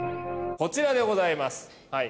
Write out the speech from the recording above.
こちらでございます。